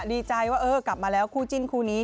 ดีใจว่าเออกลับมาแล้วคู่จิ้นคู่นี้